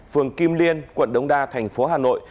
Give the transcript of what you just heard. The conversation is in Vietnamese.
phường kim liên quận đông đa thành phố hà nội